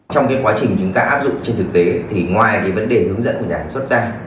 trong cái quá trình chúng ta áp dụng trên thực tế thì ngoài cái vấn đề hướng dẫn của nhà sản xuất ra